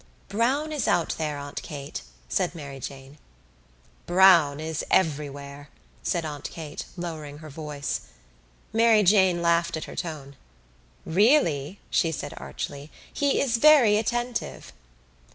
"Browne is out there, Aunt Kate," said Mary Jane. "Browne is everywhere," said Aunt Kate, lowering her voice. Mary Jane laughed at her tone. "Really," she said archly, "he is very attentive."